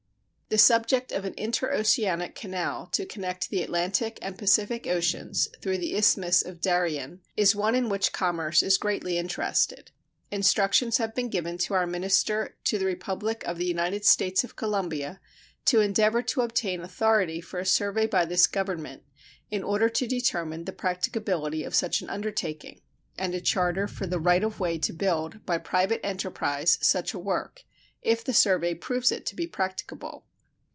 The subject of an interoceanic canal to connect the Atlantic and Pacific oceans through the Isthmus of Darien is one in which commerce is greatly interested. Instructions have been given to our minister to the Republic of the United States of Colombia to endeavor to obtain authority for a survey by this Government, in order to determine the practicability of such an undertaking, and a charter for the right of way to build, by private enterprise, such a work, if the survey proves it to be practicable.